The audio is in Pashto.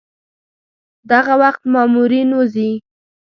دغه وخت مامورین وځي.